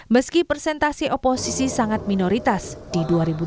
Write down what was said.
meski persentase oposisi sangat minoritas di dua ribu dua puluh empat dua ribu dua puluh sembilan